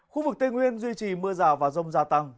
khu vực tây nguyên duy trì mưa rào và rông gia tăng